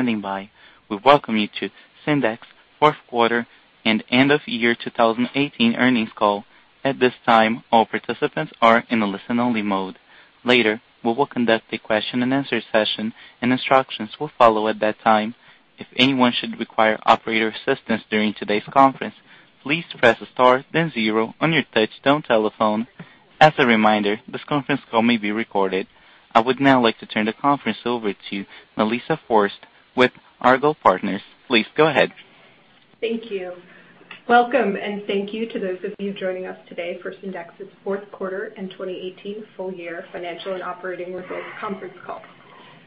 Standing by. We welcome you to Syndax Q4 and end of year 2018 earnings call. At this time, all participants are in a listen-only mode. Later, we will conduct a question and answer session, and instructions will follow at that time. If anyone should require operator assistance during today's conference, please press star then zero on your touchtone telephone. As a reminder, this conference call may be recorded. I would now like to turn the conference over to Melissa Forst with Argot Partners. Please go ahead. Thank you. Welcome, thank you to those of you joining us today for Syndax's Q4 and 2018 full year financial and operating results conference call.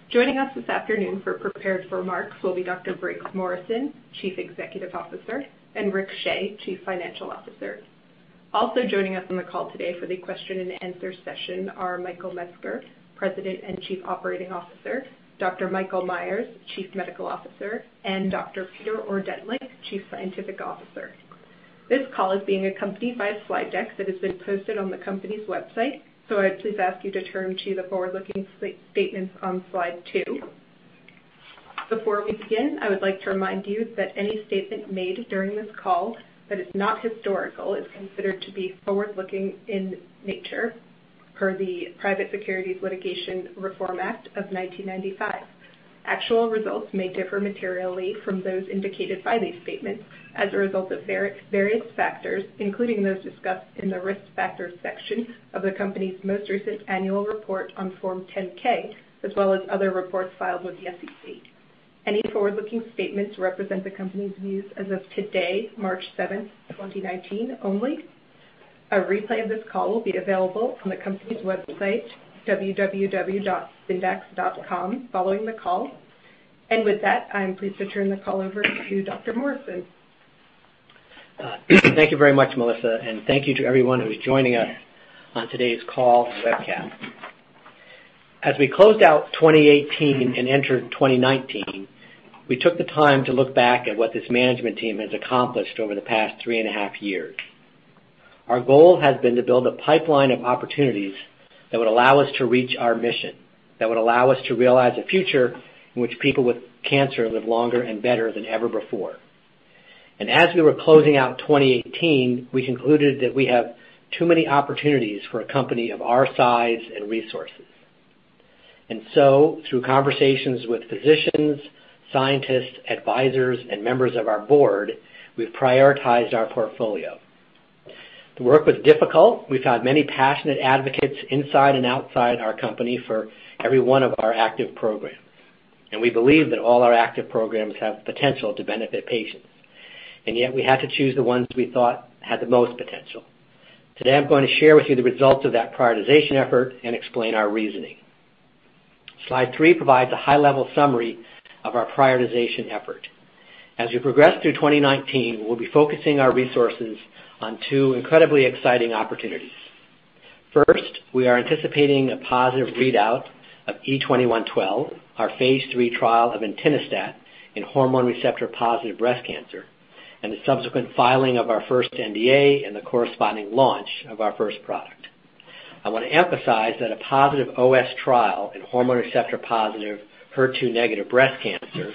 Joining us this afternoon for prepared remarks will be Dr. Briggs Morrison, Chief Executive Officer, and Rick Shea, Chief Financial Officer. Also joining us on the call today for the question and answer session are Michael Metzger, President and Chief Operating Officer, Dr. Michael Meyers, Chief Medical Officer, and Dr. Peter Ordentlich, Chief Scientific Officer. This call is being accompanied by a slide deck that has been posted on the company's website, I'd please ask you to turn to the forward-looking statements on slide two. Before we begin, I would like to remind you that any statement made during this call that is not historical is considered to be forward-looking in nature per the Private Securities Litigation Reform Act of 1995. Actual results may differ materially from those indicated by these statements as a result of various factors, including those discussed in the Risk Factors section of the company's most recent annual report on Form 10-K, as well as other reports filed with the SEC. Any forward-looking statements represent the company's views as of today, 7 March 2019 only. A replay of this call will be available on the company's website, www.syndax.com, following the call. With that, I am pleased to turn the call over to Dr. Morrison. Thank you very much, Melissa, thank you to everyone who's joining us on today's call webcast. As we closed out 2018 and entered 2019, we took the time to look back at what this management team has accomplished over the past three and a half years. Our goal has been to build a pipeline of opportunities that would allow us to reach our mission, that would allow us to realize a future in which people with cancer live longer and better than ever before. As we were closing out 2018, we concluded that we have too many opportunities for a company of our size and resources. Through conversations with physicians, scientists, advisors, and members of our board, we've prioritized our portfolio. The work was difficult. We've had many passionate advocates inside and outside our company for every one of our active programs. We believe that all our active programs have potential to benefit patients. Yet, we had to choose the ones we thought had the most potential. Today, I'm going to share with you the results of that prioritization effort and explain our reasoning. Slide three provides a high-level summary of our prioritization effort. As we progress through 2019, we'll be focusing our resources on two incredibly exciting opportunities. First, we are anticipating a positive readout of E2112, Phase Iii trial of Entinostat in hormone receptor-positive breast cancer, and the subsequent filing of our first NDA and the corresponding launch of our first product. I want to emphasize that a positive OS trial in hormone receptor-positive, HER2 negative breast cancer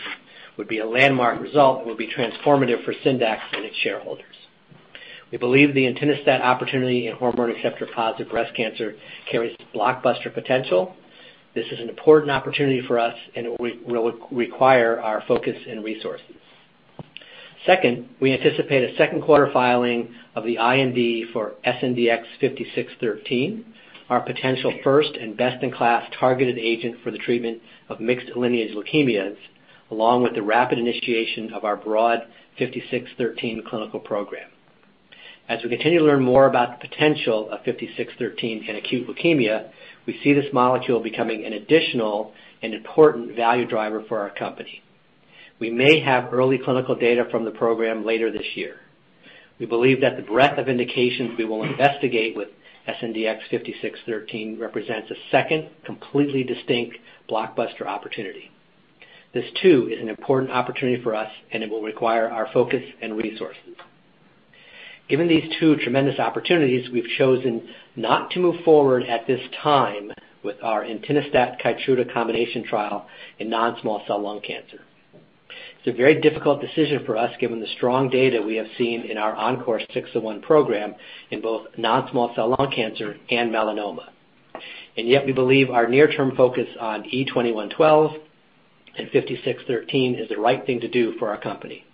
would be a landmark result that would be transformative for Syndax and its shareholders. We believe the Entinostat opportunity in hormone receptor-positive breast cancer carries blockbuster potential. This is an important opportunity for us and it will require our focus and resources. Second, we anticipate a Q2 filing of the IND for SNDX-5613, our potential first and best-in-class targeted agent for the treatment of mixed lineage leukemias, along with the rapid initiation of our broad 5613 clinical program. As we continue to learn more about the potential of 5613 in acute leukemia, we see this molecule becoming an additional and important value driver for our company. We may have early clinical data from the program later this year. We believe that the breadth of indications we will investigate with SNDX-5613 represents a second completely distinct blockbuster opportunity. This too is an important opportunity for us and it will require our focus and resources. Given these two tremendous opportunities, we've chosen not to move forward at this time with our Entinostat KEYTRUDA combination trial in non-small cell lung cancer. It's a very difficult decision for us given the strong data we have seen in our ENCORE 601 program in both non-small cell lung cancer and melanoma. Yet, we believe our near-term focus on E2112 and 5613 is the right thing to do for our company.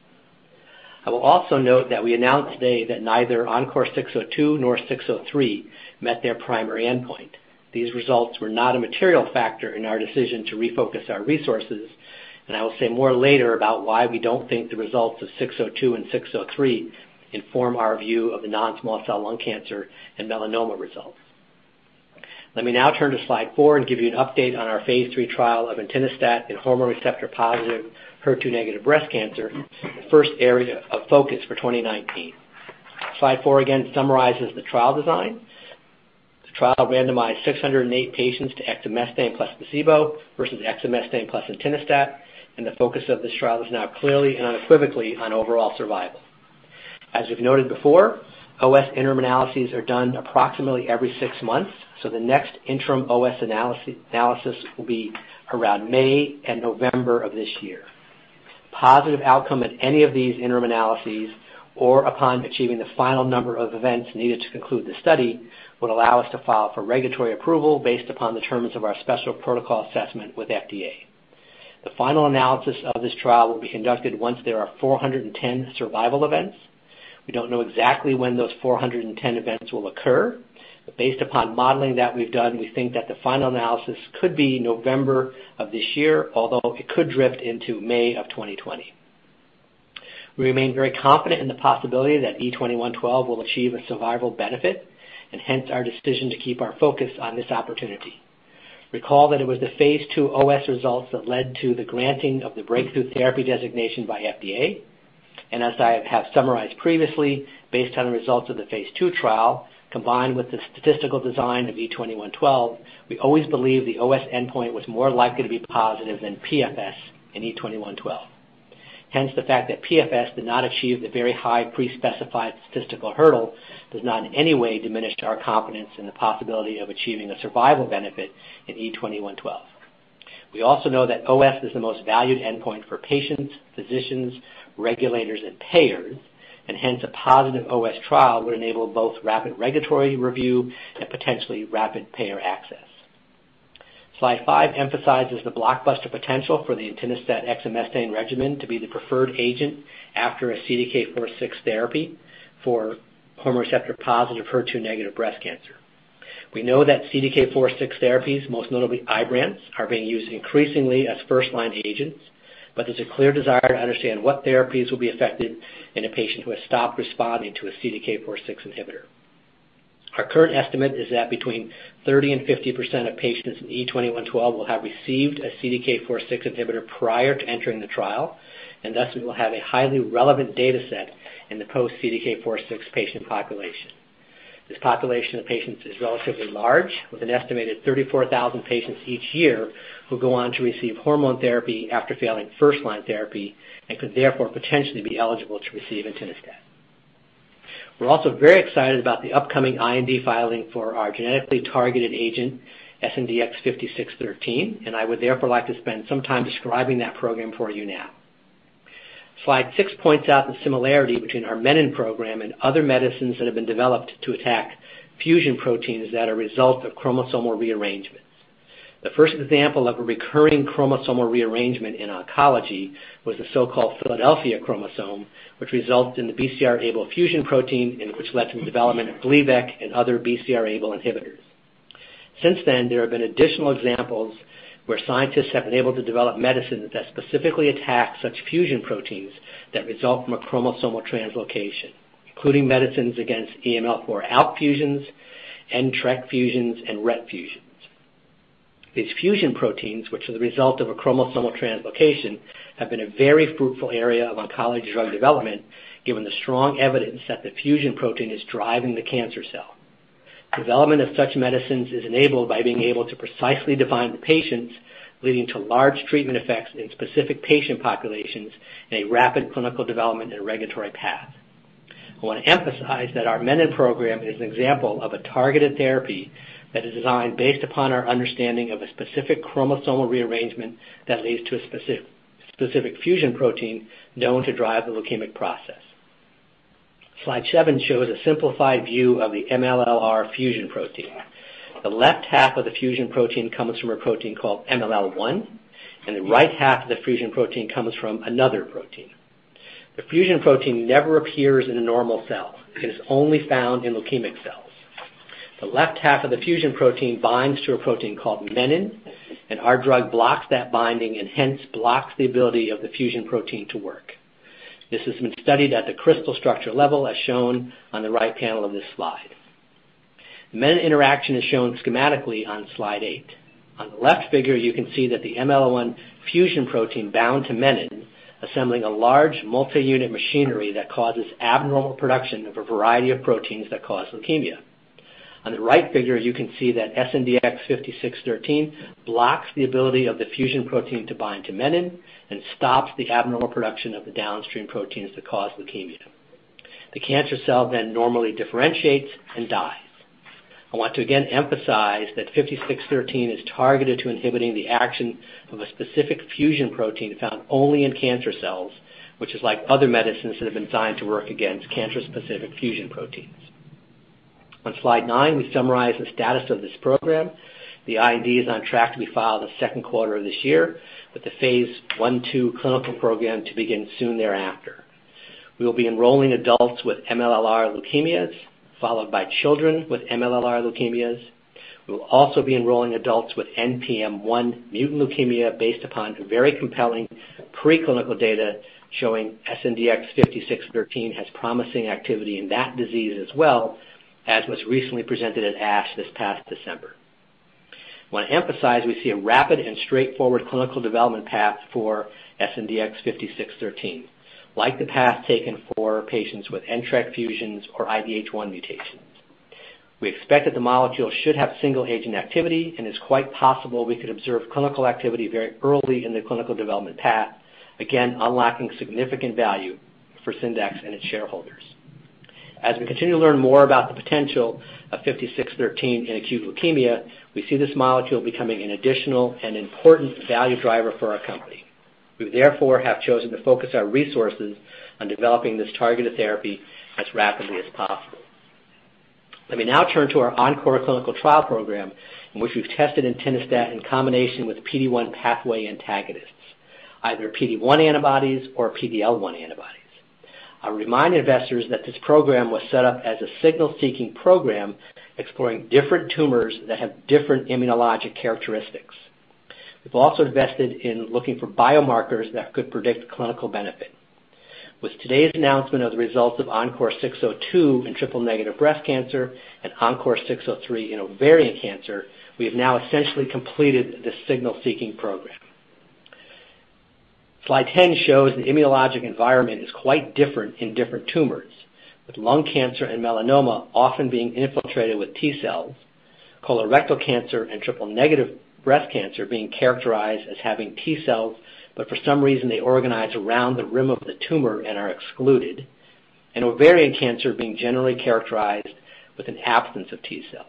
I will also note that we announced today that neither ENCORE 602 nor 603 met their primary endpoint. These results were not a material factor in our decision to refocus our resources. I will say more later about why we don't think the results of 602 and 603 inform our view of the non-small cell lung cancer and melanoma results. Let me now turn to slide four and give you an update on Phase Iii trial of Entinostat in hormone receptor-positive, HER2 negative breast cancer, the first area of focus for 2019. Slide four again summarizes the trial design. The trial randomized 608 patients to exemestane plus placebo versus exemestane plus Entinostat. The focus of this trial is now clearly and unequivocally on overall survival. As we've noted before, OS interim analyses are done approximately every six months, so the next interim OS analysis will be around May and November of this year. Positive outcome at any of these interim analyses, or upon achieving the final number of events needed to conclude the study, would allow us to file for regulatory approval based upon the terms of our special protocol assessment with FDA. The final analysis of this trial will be conducted once there are 410 survival events. We don't know exactly when those 410 events will occur, but based upon modeling that we've done, we think that the final analysis could be November of this year, although it could drift into May of 2020. We remain very confident in the possibility that E2112 will achieve a survival benefit, and hence our decision to keep our focus on this opportunity. Recall that it was Phase Ii os results that led to the granting of the breakthrough therapy designation by FDA. As I have summarized previously, based on the results of Phase II trial, combined with the statistical design of E2112, we always believed the OS endpoint was more likely to be positive than PFS in E2112. Hence, the fact that PFS did not achieve the very high pre-specified statistical hurdle does not in any way diminish our confidence in the possibility of achieving a survival benefit in E2112. We also know that OS is the most valued endpoint for patients, physicians, regulators, and payers, and hence a positive OS trial would enable both rapid regulatory review and potentially rapid payer access. Slide five emphasizes the blockbuster potential for the Entinostat exemestane regimen to be the preferred agent after a CDK4/6 therapy for hormone receptor-positive, HER2-negative breast cancer. We know that CDK4/6 therapies, most notably IBRANCE, are being used increasingly as first-line agents, but there's a clear desire to understand what therapies will be affected in a patient who has stopped responding to a CDK4/6 inhibitor. Our current estimate is that between 30% and 50% of patients in E2112 will have received a CDK4/6 inhibitor prior to entering the trial, and thus we will have a highly relevant data set in the post-CDK4/6 patient population. This population of patients is relatively large, with an estimated 34,000 patients each year who go on to receive hormone therapy after failing first-line therapy and could therefore potentially be eligible to receive Entinostat. We're also very excited about the upcoming IND filing for our genetically targeted agent, SNDX-5613, and I would therefore like to spend some time describing that program for you now. Slide six points out the similarity between our Menin program and other medicines that have been developed to attack fusion proteins that are a result of chromosomal rearrangements. The first example of a recurring chromosomal rearrangement in oncology was the so-called Philadelphia chromosome, which resulted in the BCR-ABL fusion protein and which led to the development of gleevec and other BCR-ABL inhibitors. Since then, there have been additional examples where scientists have been able to develop medicines that specifically attack such fusion proteins that result from a chromosomal translocation, including medicines against EML4-ALK fusions, NTRK fusions, and RET fusions. These fusion proteins, which are the result of a chromosomal translocation, have been a very fruitful area of oncology drug development, given the strong evidence that the fusion protein is driving the cancer cell. Development of such medicines is enabled by being able to precisely define the patients, leading to large treatment effects in specific patient populations and a rapid clinical development and regulatory path. I want to emphasize that our Menin program is an example of a targeted therapy that is designed based upon our understanding of a specific chromosomal rearrangement that leads to a specific fusion protein known to drive the leukemic process. Slide seven shows a simplified view of the MLL-r fusion protein. The left half of the fusion protein comes from a protein called MLL1, and the right half of the fusion protein comes from another protein. The fusion protein never appears in a normal cell it is only found in leukemic cells. The left half of the fusion protein binds to a protein called Menin, and our drug blocks that binding and hence blocks the ability of the fusion protein to work. This has been studied at the crystal structure level, as shown on the right panel of this slide. Menin interaction is shown schematically on slide eight. On the left figure, you can see that the MLL1 fusion protein bound to Menin, assembling a large multi-unit machinery that causes abnormal production of a variety of proteins that cause leukemia. On the right figure, you can see that SNDX-5613 blocks the ability of the fusion protein to bind to Menin and stops the abnormal production of the downstream proteins that cause leukemia. The cancer cell normally differentiates and dies. I want to again emphasize that 5613 is targeted to inhibiting the action of a specific fusion protein found only in cancer cells, which is like other medicines that have been designed to work against cancer-specific fusion proteins. On slide nine, we summarize the status of this program. The IND is on track to be filed the Q2 of this year, with the Phase I/ii clinical program to begin soon thereafter. We will be enrolling adults with MLL-r leukemias, followed by children with MLL-r leukemias. We will also be enrolling adults with NPM1 mutant leukemia based upon very compelling preclinical data showing SNDX-5613 has promising activity in that disease as well, as was recently presented at ASH this past December. I want to emphasize we see a rapid and straightforward clinical development path for SNDX-5613, like the path taken for patients with NTRK fusions or IDH1 mutations. We expect that the molecule should have single agent activity and it's quite possible we could observe clinical activity very early in the clinical development path, again, unlocking significant value for Syndax and its shareholders. As we continue to learn more about the potential of 5613 in acute leukemia, we see this molecule becoming an additional and important value driver for our company. We therefore have chosen to focus our resources on developing this targeted therapy as rapidly as possible. Let me now turn to our ENCORE clinical trial program, in which we've tested Entinostat in combination with PD-1 pathway antagonists, either PD-1 antibodies or PD-L1 antibodies. I remind investors that this program was set up as a signal-seeking program exploring different tumors that have different immunologic characteristics. We've also invested in looking for biomarkers that could predict clinical benefit. With today's announcement of the results of ENCORE 602 in triple-negative breast cancer and ENCORE 603 in ovarian cancer, we have now essentially completed this signal-seeking program. Slide 10 shows the immunologic environment is quite different in different tumors, with lung cancer and melanoma often being infiltrated with T cells, colorectal cancer and triple-negative breast cancer being characterized as having T cells, but for some reason, they organize around the rim of the tumor and are excluded. Ovarian cancer being generally characterized with an absence of T cells.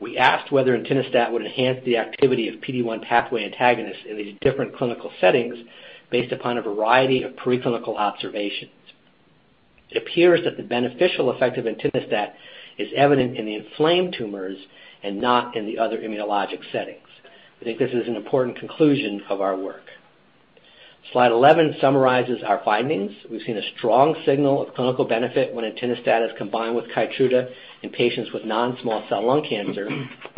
We asked whether Entinostat would enhance the activity of PD-1 pathway antagonists in these different clinical settings based upon a variety of preclinical observations. It appears that the beneficial effect of Entinostat is evident in the inflamed tumors and not in the other immunologic settings. I think this is an important conclusion of our work. Slide 11 summarizes our findings, we've seen a strong signal of clinical benefit when Entinostat is combined with KEYTRUDA in patients with non-small cell lung cancer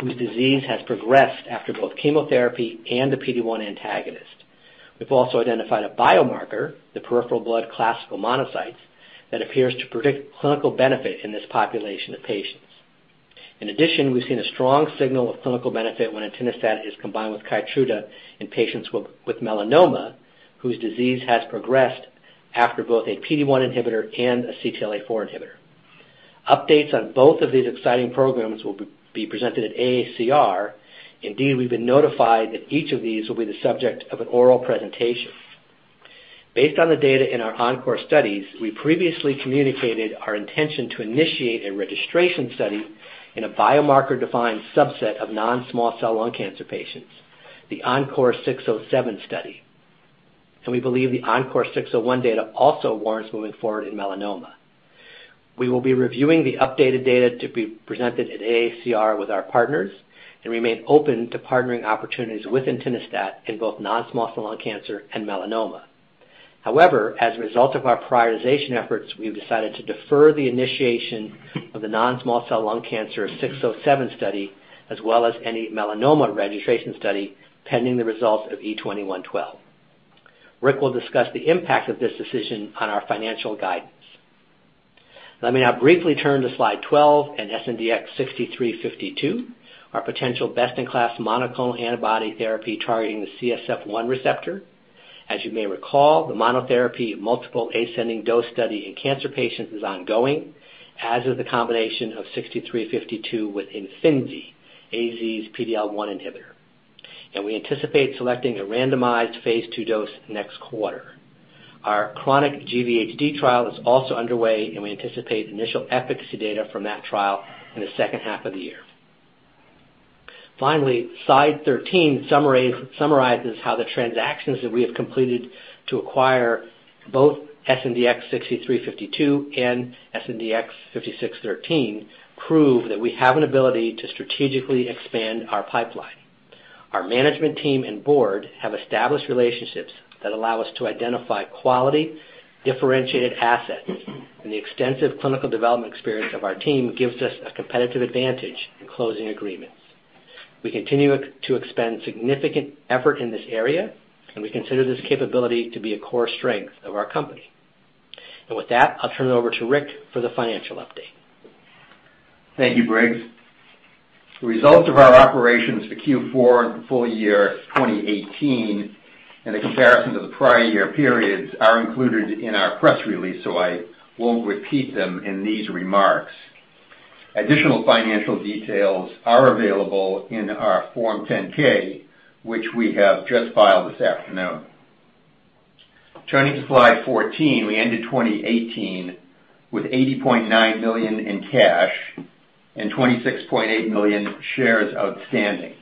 whose disease has progressed after both chemotherapy and a PD-1 antagonist. We've also identified a biomarker, the peripheral blood classical monocytes, that appears to predict clinical benefit in this population of patients. In addition, we've seen a strong signal of clinical benefit when Entinostat is combined with KEYTRUDA in patients with melanoma whose disease has progressed after both a PD-1 inhibitor and a CTLA-4 inhibitor. Updates on both of these exciting programs will be presented at AACR. Indeed, we've been notified that each of these will be the subject of an oral presentation. Based on the data in our ENCORE studies, we previously communicated our intention to initiate a registration study in a biomarker-defined subset of non-small cell lung cancer patients, the ENCORE 607 study. We believe the ENCORE 601 data also warrants moving forward in melanoma. We will be reviewing the updated data to be presented at AACR with our partners and remain open to partnering opportunities with Entinostat in both non-small cell lung cancer and melanoma. However, as a result of our prioritization efforts, we have decided to defer the initiation of the non-small cell lung cancer 607 study, as well as any melanoma registration study, pending the results of E2112. Rick will discuss the impact of this decision on our financial guidance. Let me now briefly turn to slide 12 and SNDX-6352, our potential best-in-class monoclonal antibody therapy targeting the CSF1 receptor. As you may recall, the monotherapy multiple ascending dose study in cancer patients is ongoing, as is the combination of 6352 with Imfinzi, AZ's PD-L1 inhibitor. We anticipate selecting a Phase Ii dose next quarter. Our chronic GVHD trial is also underway, we anticipate initial efficacy data from that trial in the second half of the year. Finally, slide 13 summarizes how the transactions that we have completed to acquire both SNDX-6352 and SNDX-5613 prove that we have an ability to strategically expand our pipeline. Our management team and board have established relationships that allow us to identify quality, differentiated assets, the extensive clinical development experience of our team gives us a competitive advantage in closing agreements. We continue to expend significant effort in this area, we consider this capability to be a core strength of our company. With that, I'll turn it over to Rick for the financial update. Thank you, Briggs. The results of our operations for Q4 and full year 2018 and the comparison to the prior year periods are included in our press release, so I won't repeat them in these remarks. Additional financial details are available in our Form 10-K, which we have just filed this afternoon. Turning to slide 14, we ended 2018 with $80.9 million in cash and 26.8 million shares outstanding.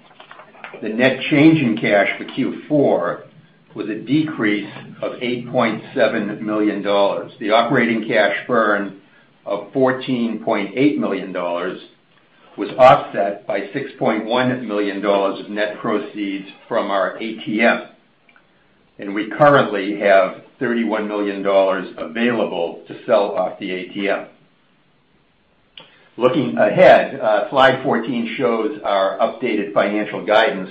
The net change in cash for Q4 was a decrease of $8.7 million the operating cash burn of $14.8 million was offset by $6.1 million of net proceeds from our ATM. We currently have $31 million available to sell off the ATM. Looking ahead, slide 14 shows our updated financial guidance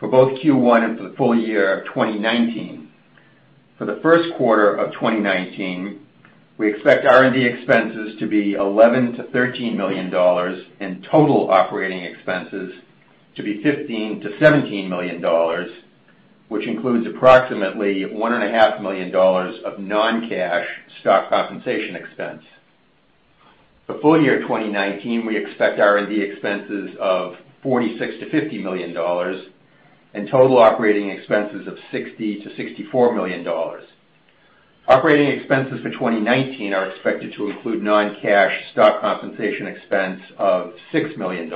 for both Q1 and for the full year of 2019. For the Q1 of 2019, we expect R&D expenses to be $11 million-$13 million, and total operating expenses to be $15 million-$17 million, which includes approximately $1.5 million of non-cash stock compensation expense. For full year 2019, we expect R&D expenses of $46 million-$50 million and total operating expenses of $60 million-$64 million. Operating expenses for 2019 are expected to include non-cash stock compensation expense of $6 million,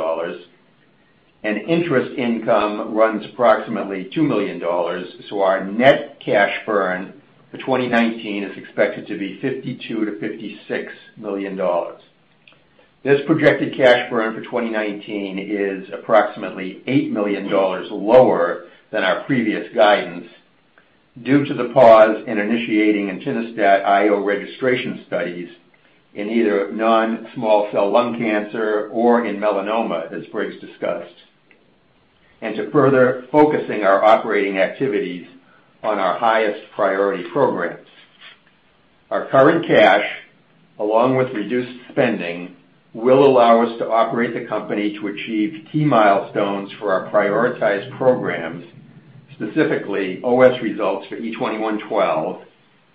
and interest income runs approximately $2 million our net cash burn for 2019 is expected to be $52 million-$56 million. This projected cash burn for 2019 is approximately $8 million lower than our previous guidance due to the pause in initiating Entinostat IO registration studies in either non-small cell lung cancer or in melanoma, as Briggs discussed, and to further focusing our operating activities on our highest priority programs. Our current cash, along with reduced spending, will allow us to operate the company to achieve key milestones for our prioritized programs, specifically OS results for E2112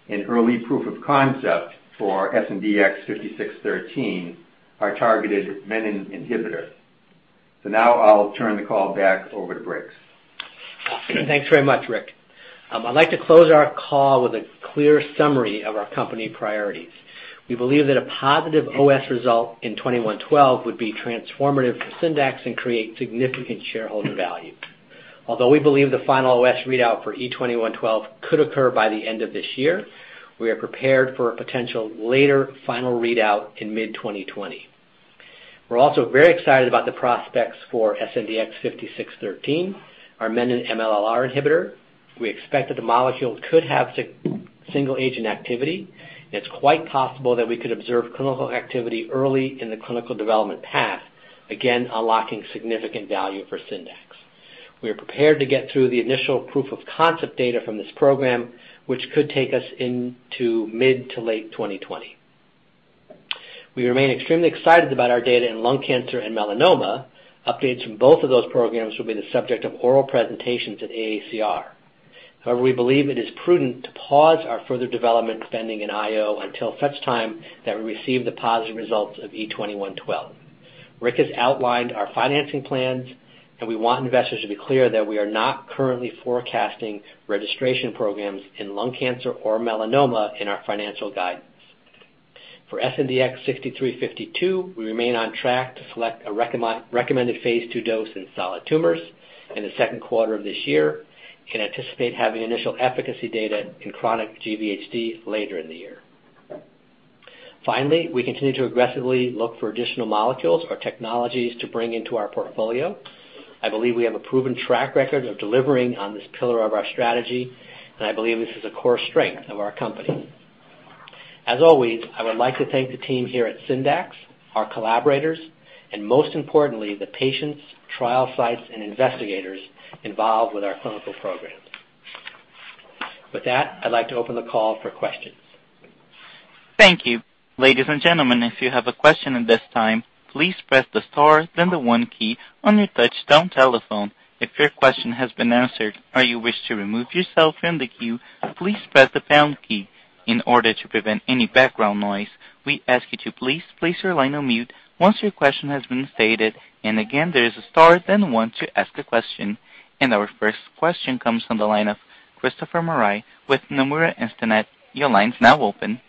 and early proof of concept for SNDX-5613, our targeted Menin inhibitor. Now I'll turn the call back over to Briggs. Thanks very much, Rick. I'd like to close our call with a clear summary of our company priorities. We believe that a positive OS result in E2112 would be transformative for Syndax and create significant shareholder value. Although we believe the final OS readout for E2112 could occur by the end of this year, we are prepared for a potential later final readout in mid-2020. We're also very excited about the prospects for SNDX-5613, our Menin MLL-r inhibitor. We expect that the molecule could have single agent activity, and it's quite possible that we could observe clinical activity early in the clinical development path, again, unlocking significant value for Syndax. We are prepared to get through the initial proof of concept data from this program, which could take us into mid to late 2020. We remain extremely excited about our data in lung cancer and melanoma. Updates from both of those programs will be the subject of oral presentations at AACR. We believe it is prudent to pause our further development spending in IO until such time that we receive the positive results of E2112. Rick has outlined our financing plans, and we want investors to be clear that we are not currently forecasting registration programs in lung cancer or melanoma in our financial guidance. For SNDX-6352, we remain on track to select a Phase Ii dose in solid tumors in the Q2 of this year and anticipate having initial efficacy data in chronic GVHD later in the year. I continue to aggressively look for additional molecules or technologies to bring into our portfolio. I believe we have a proven track record of delivering on this pillar of our strategy, and I believe this is a core strength of our company. As always, I would like to thank the team here at Syndax, our collaborators, and most importantly, the patients, trial sites, and investigators involved with our clinical programs. With that, I'd like to open the call for questions. Thank you. Ladies and gentlemen, if you have a question at this time, please press the star then the one key on your touchtone telephone. If your question has been answered or you wish to remove yourself from the queue, please press the pound key. In order to prevent any background noise, we ask you to please place your line on mute once your question has been stated. Again, there is a star then one to ask a question. Our first question comes from the line of Christopher Marai with Nomura Instinet. Your line's now open.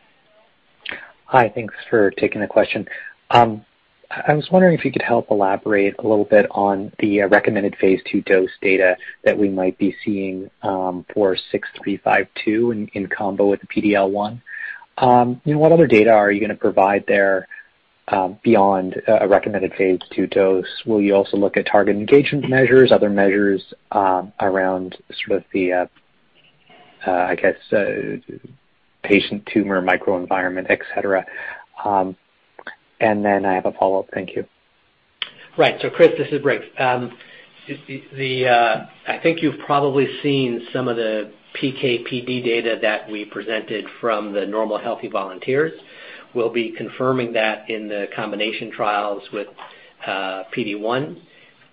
Hi. Thanks for taking the question. I was wondering if you could help elaborate a little bit on the Phase Ii dose data that we might be seeing for SNDX-6352 in combo with the PD-L1. What other data are you going to provide there beyond a Phase Ii dose? Will you also look at target engagement measures, other measures around the, I guess, patient tumor microenvironment, et cetera? I have a follow-up thank you. Right Chris, this is Briggs. I think you've probably seen some of the PK/PD data that we presented from the normal healthy volunteers. We'll be confirming that in the combination trials with PD-1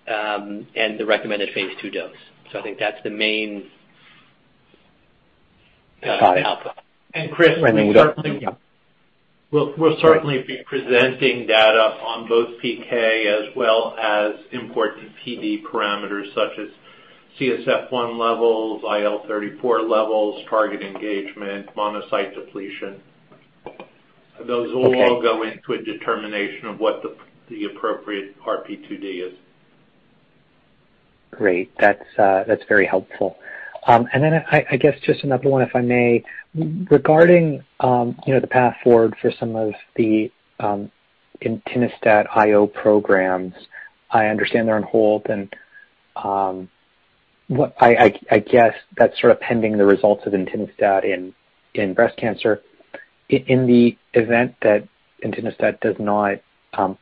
and the Phase Ii dose. I think that's the main output. We'll certainly be presenting data on both PK as well as important PD parameters such as CSF1 levels, IL34 levels, target engagement, monocyte depletion. Okay. Those will all go into a determination of what the appropriate RP2D is. Great. That's very helpful. Then I guess just another one, if I may. Regarding the path forward for some of the Entinostat IO programs, I understand they're on hold, I guess that's pending the results of Entinostat in breast cancer. In the event that Entinostat does not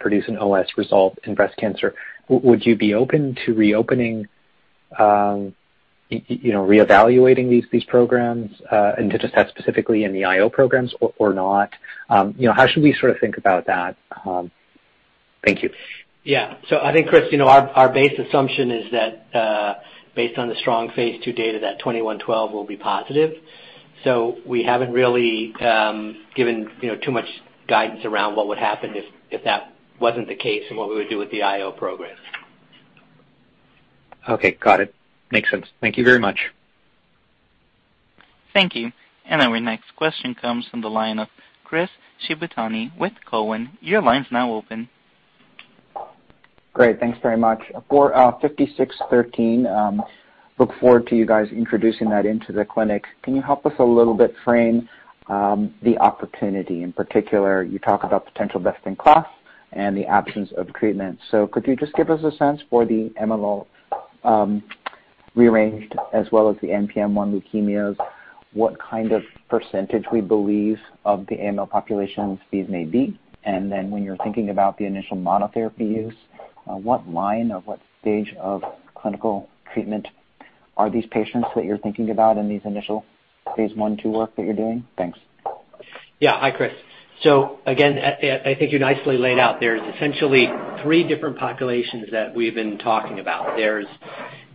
produce an OS result in breast cancer, would you be open to reopening, reevaluating these programs, Entinostat specifically in the IO programs, or not? How should we think about that? Thank you. Yeah. I think, Chris, our base assumption is that based on the Phase Ii data, that 2112 will be positive. We haven't really given too much guidance around what would happen if that wasn't the case and what we would do with the IO program. Okay. Got it. Makes sense. Thank you very much. Thank you. Our next question comes from the line of Chris Shibutani with Cowen. Your line's now open. Great thanks very much for 5613, look forward to you guys introducing that into the clinic. Can you help us a little bit frame the opportunity? In particular, you talk about potential best-in-class and the absence of treatment so could you just give us a sense for the MLL rearranged as well as the NPM1 leukemias, what kind of percentage we believe of the AML populations these may be? And then when you're thinking about the initial monotherapy use, what line or what stage of clinical treatment are these patients that you're thinking about in these initial Phase I, II work that you're doing? Thanks. Hi, Chris. Again, I think you nicely laid out, there are essentially three different populations that we have been talking about there are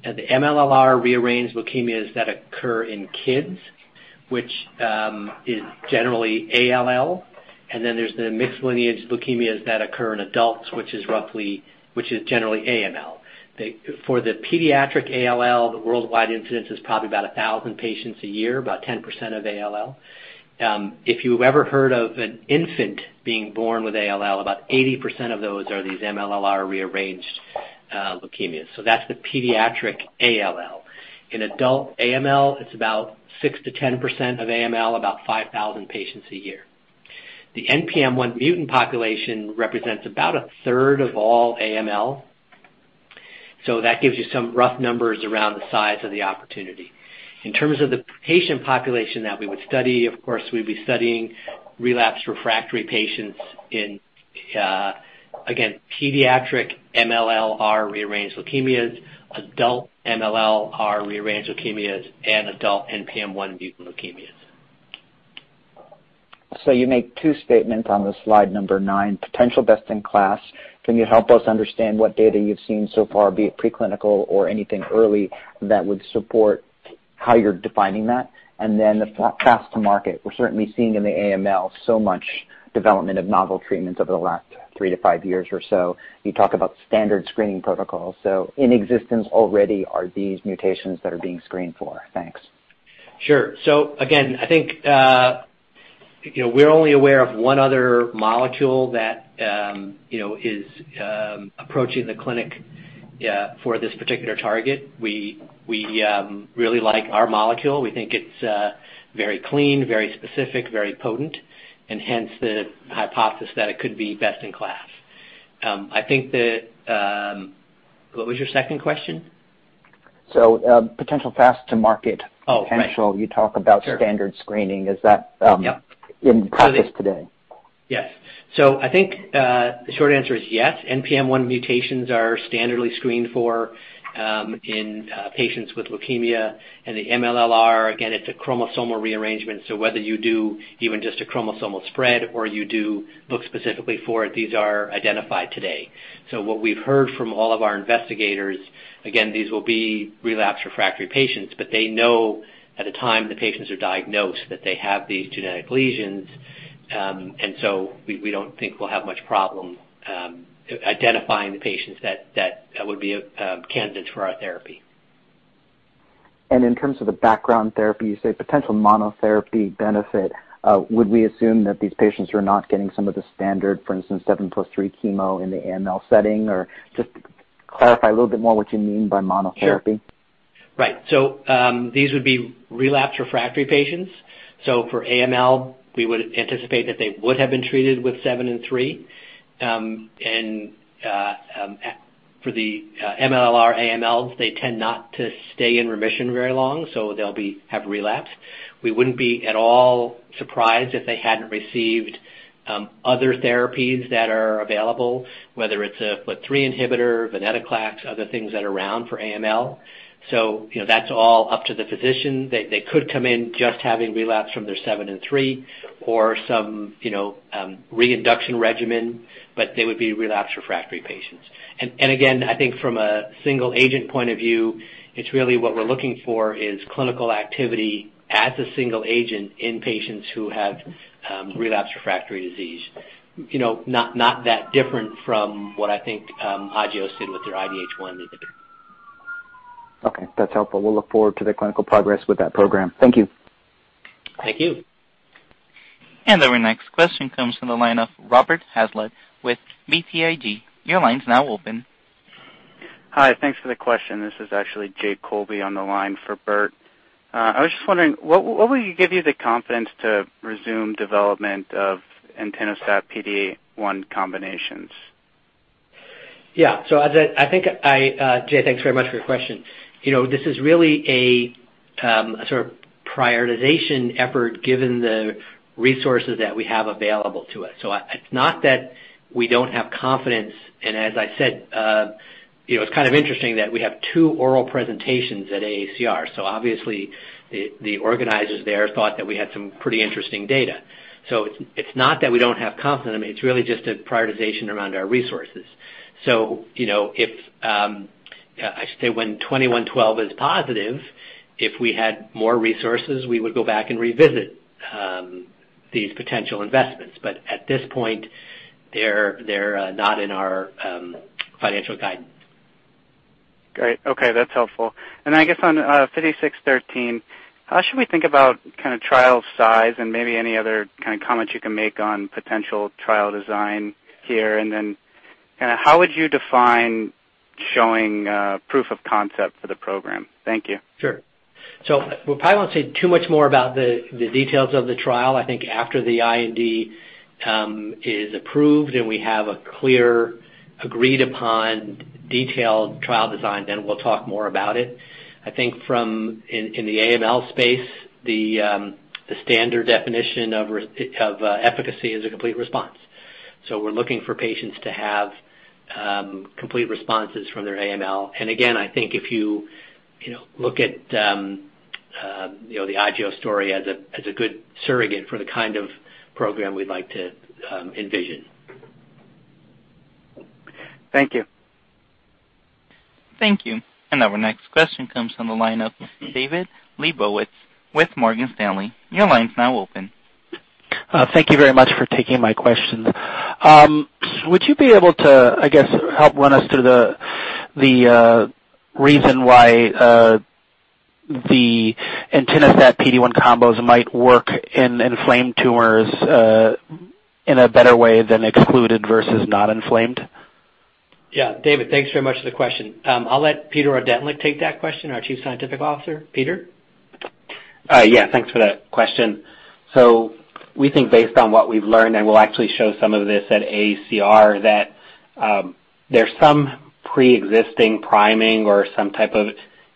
the MLL-rearranged leukemias that occur in kids, which is generally ALL, and then there are the mixed lineage leukemias that occur in adults, which is generally AML. For the pediatric ALL, the worldwide incidence is probably about 1,000 patients a year, about 10% of ALL. If you ever heard of an infant being born with ALL, about 80% of those are these MLL-rearranged leukemia so that is the pediatric ALL. In adult AML, it is about 6%-10% of AML, about 5,000 patients a year. The NPM1 mutant population represents about a third of all AML, that gives you some rough numbers around the size of the opportunity. In terms of the patient population that we would study, of course, we would be studying relapse refractory patients in, again, pediatric MLL-rearranged leukemias, adult MLL-rearranged leukemias, and adult NPM1 mutant leukemias. You make two statements on slide number nine, potential best in class. Can you help us understand what data you have seen so far, be it preclinical or anything early that would support how you are defining that? The path to market we are certainly seeing in the AML, so much development of novel treatments over the last three to five years or so. You talk about standard screening protocols. In existence already are these mutations that are being screened for thanks. Sure. Again, I think, we are only aware of one other molecule that is approaching the clinic for this particular target we really like our molecule, we think it is very clean, very specific, very potent, and hence the hypothesis that it could be best in class. What was your second question? Potential fast to market. Oh, right. Potential. You talk about. Sure. Standard screening. Is that- Yep. -in practice today? Yes. I think, the short answer is yes, NPM1 mutations are standardly screened for in patients with leukemia. The MLL-r, again, it's a chromosomal rearrangement, whether you do even just a chromosomal spread or you do look specifically for it, these are identified today. What we've heard from all of our investigators, again, these will be relapse refractory patients, but they know at the time the patients are diagnosed that they have these genetic lesions, we don't think we'll have much problem identifying the patients that would be candidates for our therapy. In terms of the background therapy, you say potential monotherapy benefit. Would we assume that these patients are not getting some of the standard, for instance, seven plus three chemo in the AML setting? Just clarify a little bit more what you mean by monotherapy. Sure right. These would be relapse refractory patients. For AML, we would anticipate that they would have been treated with seven and three. For the MLL-r AMLs, they tend not to stay in remission very long, they'll have relapsed. We wouldn't be at all surprised if they hadn't received other therapies that are available, whether it's a FLT3 inhibitor, venetoclax, other things that are around for AML. That's all up to the physician. They could come in just having relapse from their seven and three or some reinduction regimen, they would be relapse refractory patients. Again, I think from a single agent point of view, it's really what we're looking for is clinical activity as a single agent in patients who have relapse refractory disease. Not that different from what I think Agios did with their IDH1 inhibitor. Okay. That's helpful we'll look forward to the clinical progress with that program. Thank you. Thank you. Our next question comes from the line of Robert Hazlett with BTIG. Your line's now open. Hi. Thanks for the question. This is actually Jay Colby on the line for Bert. I was just wondering, what would give you the confidence to resume development of Entinostat PD-1 combinations? Jay, thanks very much for your question. This is really a sort of prioritization effort given the resources that we have available to us. It's not that we don't have confidence, and as I said, it's kind of interesting that we have two oral presentations at AACR so obviously the organizers there thought that we had some pretty interesting data so, it's not that we don't have confidence in them, it's really just a prioritization around our resources. I should say when 2112 is positive, if we had more resources, we would go back and revisit these potential investments. At this point, they're not in our financial guidance. Great. Okay, that's helpful. I guess on 5613, how should we think about trial size and maybe any other comments you can make on potential trial design here? and then how would you define showing proof of concept for the program? Thank you. Sure we probably won't say too much more about the details of the trial i think after the IND is approved and we have a clear, agreed-upon detailed trial design, then we'll talk more about it. I think in the AML space, the standard definition of efficacy is a complete response. We're looking for patients to have complete responses from their AML and again, I think if you look at the Agios story as a good surrogate for the kind of program we'd like to envision. Thank you. Thank you. Our next question comes from the line of David Lebowitz with Morgan Stanley. Your line's now open. Thank you very much for taking my questions. Would you be able to, I guess, help run us through the reason why the Entinostat PD-1 combos might work in inflamed tumors in a better way than excluded versus not inflamed? Yeah. David, thanks very much for the question. I'll let Peter Ordentlich take that question, our Chief Scientific Officer. Peter? Yeah, thanks for that question. We think based on what we've learned, and we'll actually show some of this at AACR, that there's some preexisting priming or some type of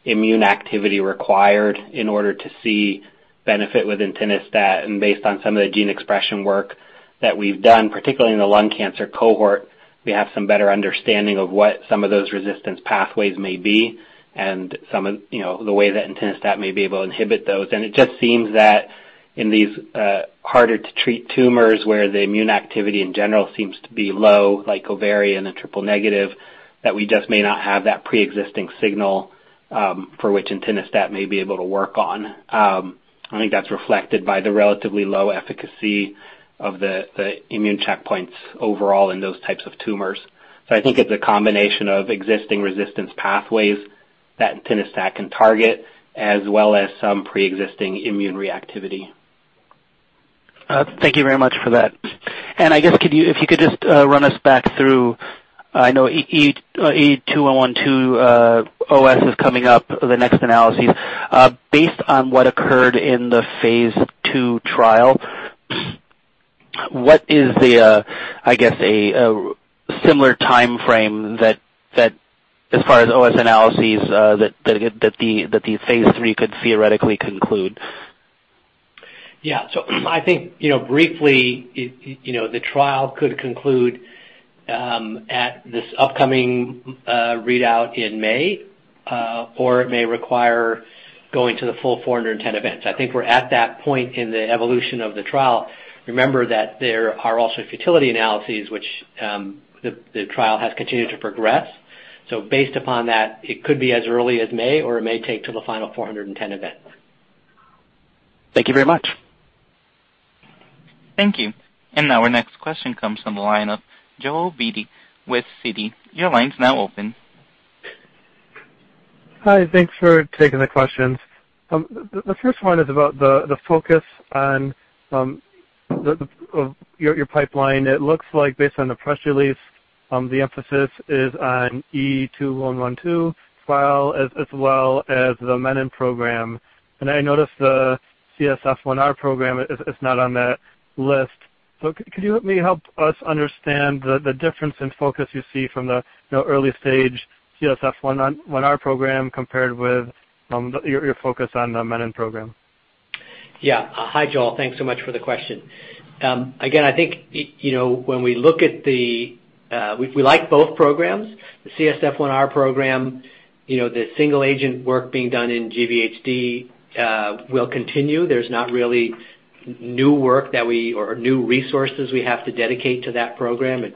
immune activity required in order to see benefit with Entinostat and based on some of the gene expression work that we've done, particularly in the lung cancer cohort- -we have some better understanding of what some of those resistance pathways may be and the way that Entinostat may be able to inhibit those and it's just seems that in these harder-to-treat tumors where the immune activity in general seems to be low, like ovarian and triple-negative. That we just may not have that preexisting signal for which Entinostat may be able to work on. I think that's reflected by the relatively low efficacy of the immune checkpoints overall in those types of tumors. I think it's a combination of existing resistance pathways that Entinostat can target, as well as some preexisting immune reactivity. Thank you very much for that. I guess, if you could just run us back through, I know E2112 OS is coming up, the next analyses. Based on what occurred in Phase II trial, what is the, I guess, a similar timeframe as far as OS analyses that Phase III could theoretically conclude? I think briefly, the trial could conclude at this upcoming readout in May, or it may require going to the full 410 events i think we're at that point in the evolution of the trial. Remember that there are also futility analyses, which the trial has continued to progress. Based upon that, it could be as early as May, or it may take till the final 410 event. Thank you very much. Thank you. Our next question comes from the line of Joel Beatty with Citi. Your line's now open. Hi, thanks for taking the questions. The first one is about the focus on your pipeline it looks like based on the press release, the emphasis is on E2112 file as well as the Menin program. I noticed the CSF1R program is not on that list. Could you maybe help us understand the difference in focus you see from the early stage CSF1R program compared with your focus on the Menin program? Hi, Joel thanks so much for the question. Again, I think we like both programs. The CSF1R program, the single agent work being done in GVHD will continue there's not really new work or new resources we have to dedicate to that program,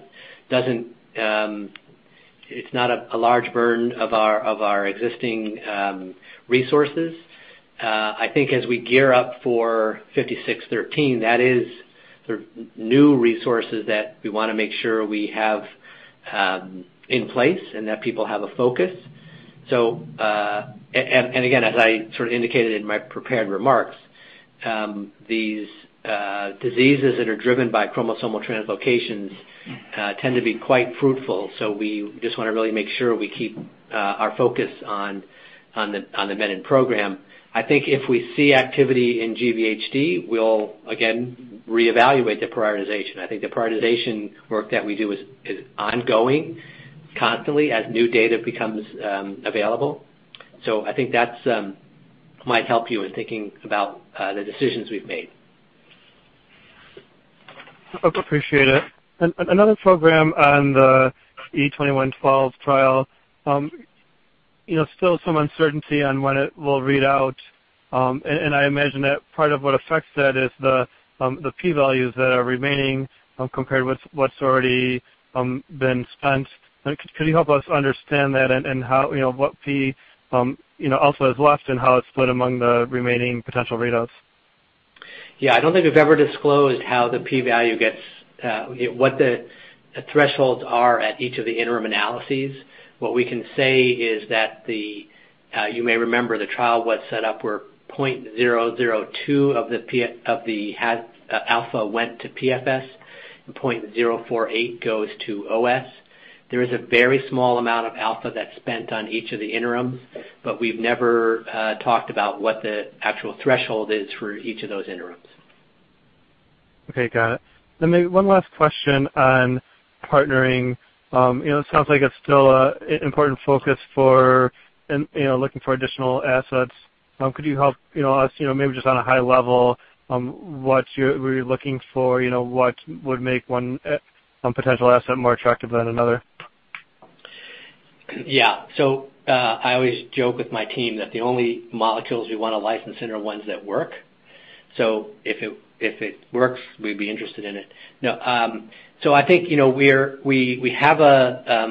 it's not a large burden of our existing resources. I think as we gear up for 5613, that is sort of new resources that we want to make sure we have in place and that people have a focus. And again, as I indicated in my prepared remarks, these diseases that are driven by chromosomal translocations tend to be quite fruitful so we just want to really make sure we keep our focus on the Menin program. I think if we see activity in GVHD, we'll again reevaluate the prioritization i think the prioritization work that we do is ongoing constantly as new data becomes available. I think that might help you in thinking about the decisions we've made. Appreciate it. Another program on the E2112 trial. Still some uncertainty on when it will read out. I imagine that part of what affects that is the P values that are remaining compared with what's already been spent. Could you help us understand that and what P alpha is left and how it's split among the remaining potential readouts? Yeah. I don't think we've ever disclosed what the thresholds are at each of the interim analyses. What we can say is that, you may remember, the trial was set up where 0.002 of the alpha went to PFS and 0.048 goes to OS. There is a very small amount of alpha that's spent on each of the interims, but we've never talked about what the actual threshold is for each of those interims. Okay got it. Maybe one last question on partnering. It sounds like it's still an important focus for looking for additional assets. Could you help us, maybe just on a high level, what you're looking for, what would make one potential asset more attractive than another? Yeah. I always joke with my team that the only molecules we want to license are ones that work. If it works, we'd be interested in it. I think we have a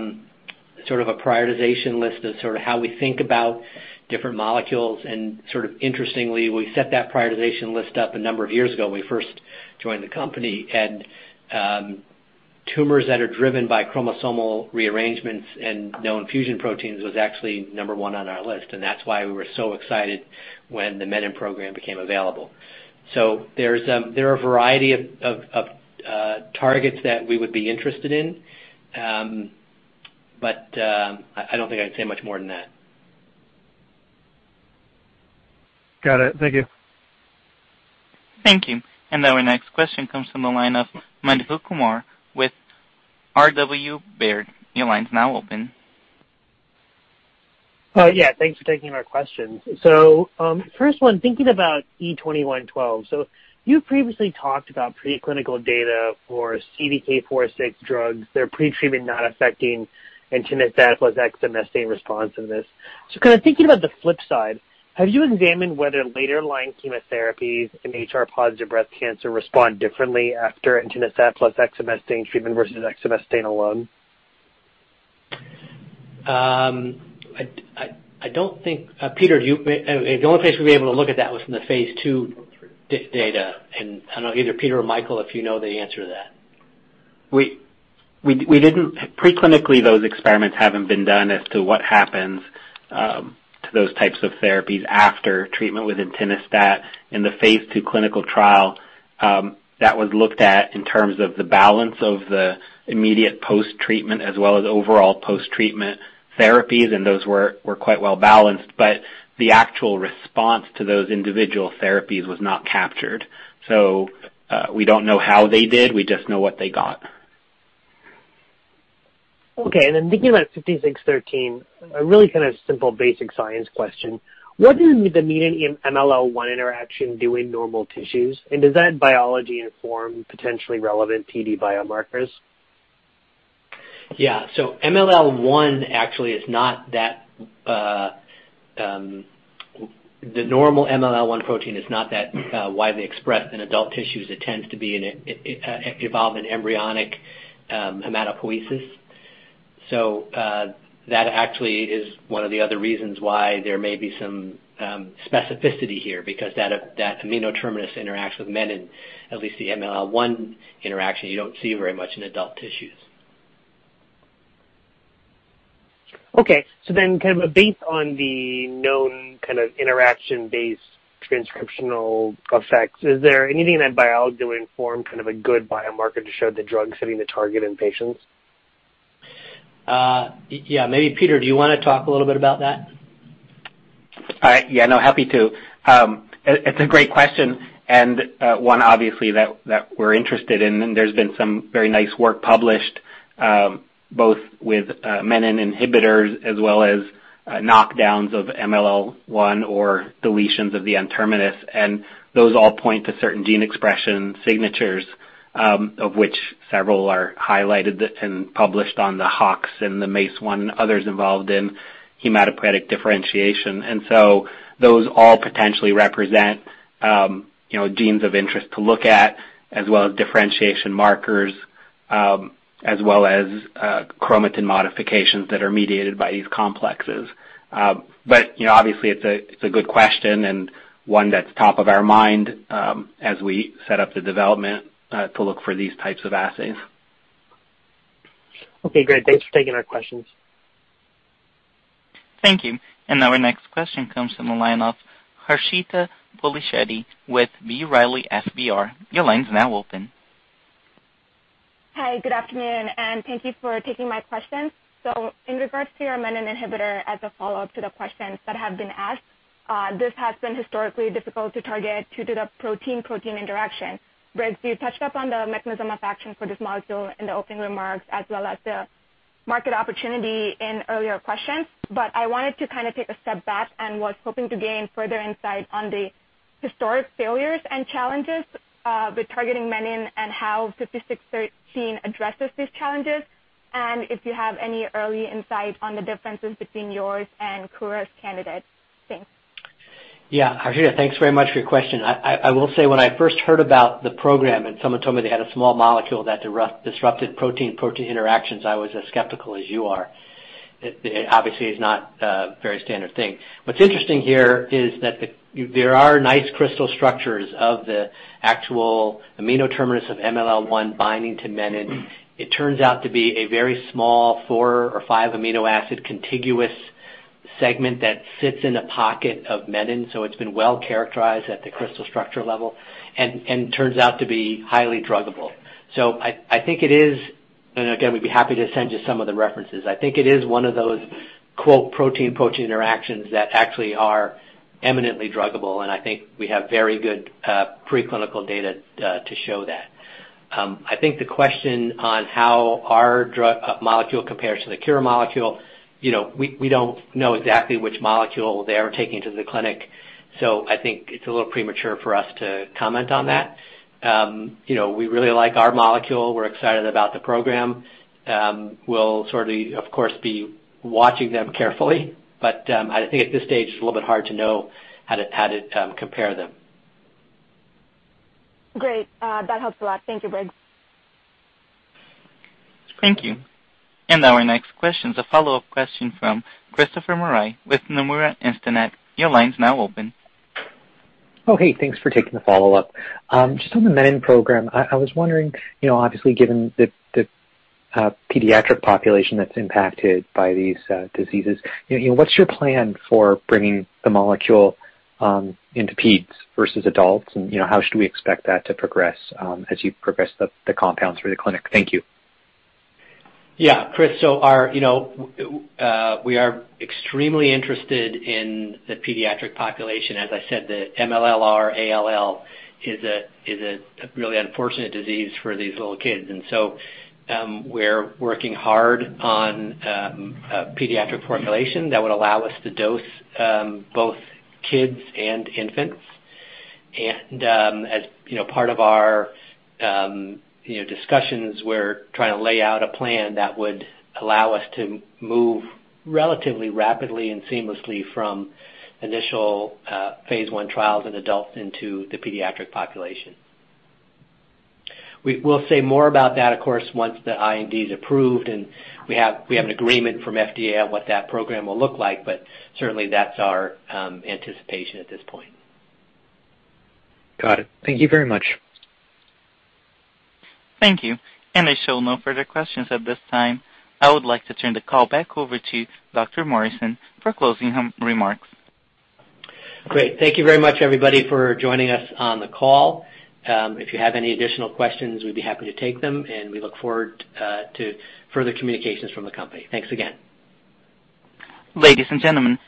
sort of a prioritization list of how we think about different molecules and interestingly, we set that prioritization list up a number of years ago when we first joined the company. Tumors that are driven by chromosomal rearrangements and no infusion proteins was actually number one on our list, and that's why we were so excited when the Menin program became available. There are a variety of targets that we would be interested in, but I don't think I can say much more than that. Got it. Thank you. Thank you. Our next question comes from the line of Madhu Kumar with R.W. Baird. Your line's now open. Yeah. Thanks for taking our questions. First one, thinking about E2112. You previously talked about preclinical data for CDK4/6 drugs, their pre-treatment not affecting Entinostat plus exemestane responsiveness. Kind of thinking about the flip side, have you examined whether later line chemotherapies in HR-positive breast cancer respond differently after Entinostat plus exemestane treatment versus exemestane alone? I don't think, Peter, the only place we'd be able to look at that was from Phase II data, I don't know, either Peter or Michael, if you know the answer to that. Preclinically, those experiments haven't been done as to what happens to those types of therapies after treatment with Entinostat in Phase II clinical trial. That was looked at in terms of the balance of the immediate post-treatment as well as overall post-treatment therapies and those were quite well-balanced, but the actual response to those individual therapies was not captured. We don't know how they did, we just know what they got. Okay. Thinking about 5613, a really kind of simple basic science question. What does the Menin MLL1 interaction do in normal tissues? and does that biology inform potentially relevant PD biomarkers? Yeah. MLL1 actually is not that widely expressed in adult tissues it tends to evolve in embryonic hematopoiesis. That actually is one of the other reasons why there may be some specificity here, because that amino terminus interacts with Menin, at least the MLL1 interaction you don't see very much in adult tissues. Okay. Kind of based on the known interaction-based transcriptional effects, is there anything in that biology to inform a good biomarker to show the drug's hitting the target in patients? Yeah. Maybe Peter, do you want to talk a little bit about that? Yeah, no, happy to. It's a great question and one obviously that we're interested in there's been some very nice work published both with Menin inhibitors as well as knockdowns of MLL1 or deletions of the N-terminus. Those all point to certain gene expression signatures, of which several are highlighted and published on the HOX and the MEIS1 and others involved in hematopoietic differentiation and so- Those all potentially represent genes of interest to look at as well as differentiation markers, as well as chromatin modifications that are mediated by these complexes. Obviously it's a good question and one that's top of our mind as we set up the development to look for these types of assays. Okay, great thanks for taking our questions. Thank you. Now our next question comes from the line of Harshita Polishetty with B. Riley FBR. Your line's now open. Hi, good afternoon and thank you for taking my questions. In regards to your Menin inhibitor, as a follow-up to the questions that have been asked, this has been historically difficult to target due to the protein-protein interaction. Briggs, you touched up on the mechanism of action for this molecule in the opening remarks as well as the market opportunity in earlier questions, but I wanted to take a step back and was hoping to gain further insight on the historic failures and challenges with targeting Menin and how 5613 addresses these challenges, and if you have any early insight on the differences between yours and Kura's candidates. Thanks. Harshita, thanks very much for your question. I will say, when I first heard about the program, and someone told me they had a small molecule that disrupted protein-protein interactions, I was as skeptical as you are. It obviously is not a very standard thing. What's interesting here is that there are nice crystal structures of the actual amino terminus of MLL1 binding to Menin. It turns out to be a very small four or five amino acid contiguous segment that sits in a pocket of Menin it's been well-characterized at the crystal structure level and turns out to be highly druggable. I think it is again, we'd be happy to send you some of the references. I think it is one of those "protein-protein interactions" that actually are eminently druggable, and I think we have very good preclinical data to show that. I think the question on how our molecule compares to the Kura molecule, we don't know exactly which molecule they're taking to the clinic. I think it's a little premature for us to comment on that. We really like our molecule we're excited about the program. We'll sort of course, be watching them carefully. I think at this stage, it's a little bit hard to know how to compare them. Great. That helps a lot thank you, Briggs. Thank you. Now our next question is a follow-up question from Christopher Marai with Nomura Instinet. Your line's now open. Hey. Thanks for taking the follow-up. Just on the Menin program, I was wondering, obviously given the pediatric population that's impacted by these diseases, what's your plan for bringing the molecule into pediatrics versus adults, and how should we expect that to progress as you progress the compounds through the clinic? Thank you. Chris, we are extremely interested in the pediatric population as I said, the MLL-r ALL is a really unfortunate disease for these little kids and so, we're working hard on a pediatric formulation that would allow us to dose both kids and infants. As part of our discussions, we're trying to lay out a plan that would allow us to move relatively rapidly and seamlessly from initial Phase I trials in adults into the pediatric population. We'll say more about that, of course, once the IND is approved, and we have an agreement from FDA on what that program will look like, certainly that's our anticipation at this point. Got it. Thank you very much. Thank you. I show no further questions at this time. I would like to turn the call back over to Dr. Morrison for closing remarks. Great. Thank you very much, everybody, for joining us on the call. If you have any additional questions, we'd be happy to take them, and we look forward to further communications from the company thanks again. Ladies and gentlemen